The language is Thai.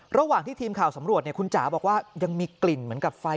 ระหว่างที่ทีมข่าวสำรวจคุณจ๋าบอกว่ายังมีกลิ่นเหมือนกับไฟ